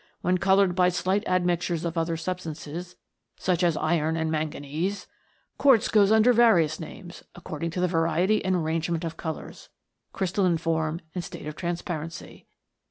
When co loured by slight admixtures of other substances, such as iron and manganese, quartz goes under various names, according to the variety and arrange ment of colours, crystalline form, and state of trans parency.